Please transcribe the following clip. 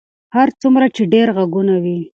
هر څومره چې ډېر غږونه وي.